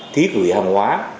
thí thủy hàng hóa